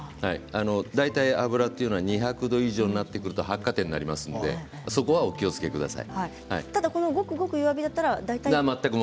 大体油は２００度以上になってくると発火点になりますのでそこはお気をつけください。